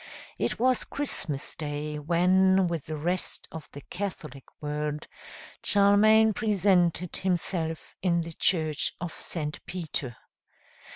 It was Christmas day, when, with the rest of the Catholic world, Charlemagne presented himself in the church of St. Peter.